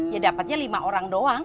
ya dapatnya lima orang doang